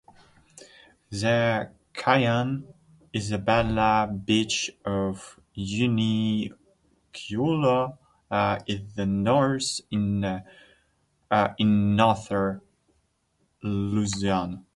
The Cauayan, Isabela branch of UniQlo is the first in Northern Luzon.